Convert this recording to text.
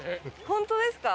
本当ですか！？